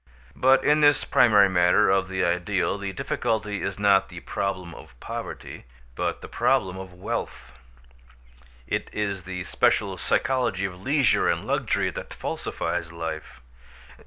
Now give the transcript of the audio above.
But in this primary matter of the ideal the difficulty is not the problem of poverty, but the problem of wealth. It is the special psychology of leisure and luxury that falsifies life.